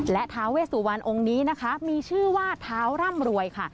และท้าเวสุวรรณองค์นี้นะคะมีชื่อว่าเท้าร่ำรวยค่ะ